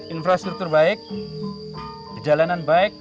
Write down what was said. infrastruktur baik jalanan baik